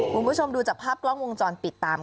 วงผู้ชมดูจับภาพวงค์จรปิดตามไปนะ